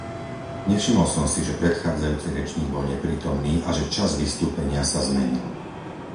Nevšimol som si, že predchádzajúci rečník bol neprítomný a že čas vystúpenia sa zmenil.